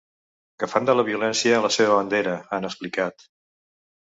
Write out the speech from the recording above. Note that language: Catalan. Que fan de la violència la seva bandera, han explicat.